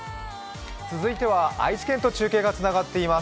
続いては愛知県と中継がつながっています。